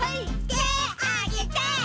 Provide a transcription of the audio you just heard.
てあげて。